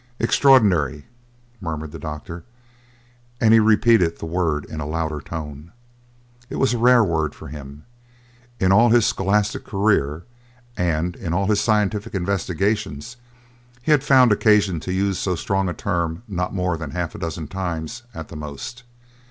"Extraordinary!" murmured the doctor, and he repeated the word in a louder tone. It was a rare word for him; in all his scholastic career and in all of his scientific investigations he had found occasion to use so strong a term not more than half a dozen times at the most.